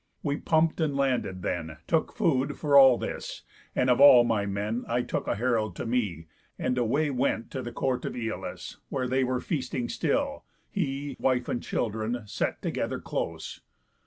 We pump'd and landed then, Took food, for all this; and of all my men I took a herald to me, and away Went to the court of Æolus, where they Were feasting still; he, wife, and children, set Together close.